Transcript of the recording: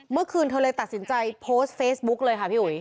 เมื่อคืนเธอเลยตัดสินใจโพสต์เฟซบุ๊กเลยค่ะพี่อุ๋ย